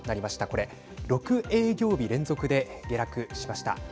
これで６営業日連続で下落しました。